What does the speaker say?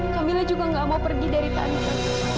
kamila juga gak mau pergi dari tanah